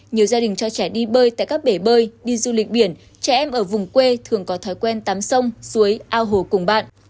nhiều gia đình cho trẻ đi bơi tại các bể bơi đi du lịch biển trẻ em ở vùng quê thường có thói quen tắm sông suối ao hồ cùng bạn